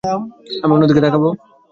আমি অন্যদিকে তাকাবো?